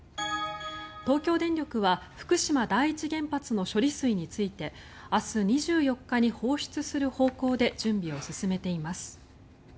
東京電力は福島第一原発の処理水について明日２４日に放出する方向で準備を進めています。